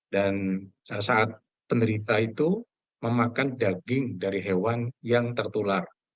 dan saat penderita itu memakan daging dari hewan yang tertular